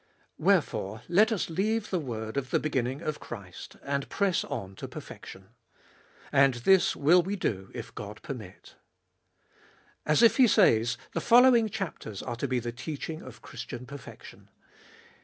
Wherefore, let us leave the word of the beginning of Christ, and press on to perfection. And this will we do if God permit. As if he says, The following chapters are to be the teaching of Christian perfection.